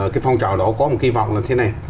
cái phong trào đó có một kỳ vọng là thế này